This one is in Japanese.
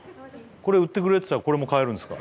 これ売ってくれって言ったらこれも買えるんですか？